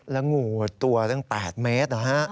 แล้วงูตัวทั้ง๘เมตรเหรอฮะ